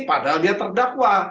padahal dia terdakwa